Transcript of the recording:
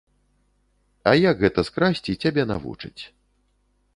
А як гэта скрасці, цябе навучаць.